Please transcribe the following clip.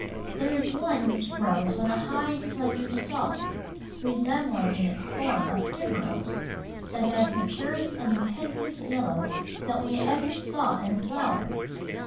There is one which grows on a high, slender stalk, resembling in its form a primrose, that has the purest and intensest yellow that we ever saw in a flower.